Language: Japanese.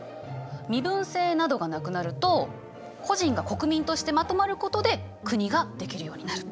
身分制などがなくなると個人が国民としてまとまることで国ができるようになる。